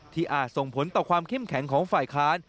อาจส่งผลต่อความเข้มแข็งของฝ่ายค้าน